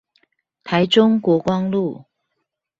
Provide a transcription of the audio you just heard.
台中國光路